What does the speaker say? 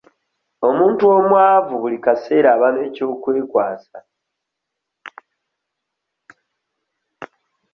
Omuntu omwavu buli kaseera aba n'ekyokwekwasa.